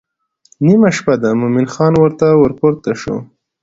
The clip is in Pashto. نیمه شپه ده مومن خان ورته ورپورته شو.